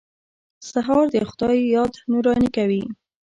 سهار د خدای یاد نوراني کوي.